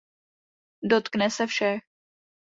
Dotkne se všech.